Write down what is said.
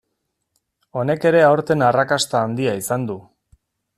Honek ere aurten arrakasta handia izan du.